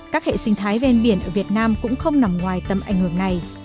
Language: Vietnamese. các hệ sinh thái ven biển ở việt nam cũng không nằm ngoài tầm ảnh hưởng này